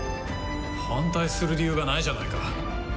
反対する理由がないじゃないか！